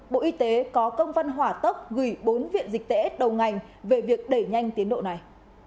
bộ y tế có công văn hỏa tốc gửi bốn viện dịch tễ đầu ngành về việc đẩy nhanh tiến độ này